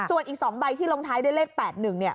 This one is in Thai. ส่วนอีก๒ใบที่ลงท้ายด้วยเลข๘๑